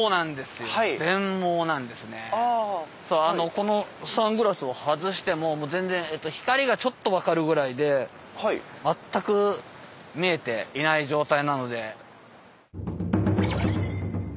このサングラスを外してももう全然光がちょっと分かるぐらいで全く見えていない状態なので。